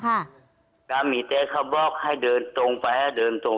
กางเกงได้ข้าบอกให้เดินตรงไปยิ่ง